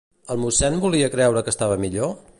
El mossèn volia creure que estava millor?